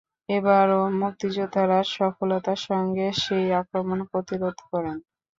এবারও মুক্তিযোদ্ধারা সফলতার সঙ্গে সেই আক্রমণ প্রতিরোধ করেন।